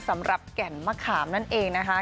สำหรับแก่นมะขามนั่นเองนะคะ